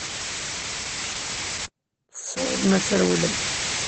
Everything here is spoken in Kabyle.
Tessawḍem ad trewlem.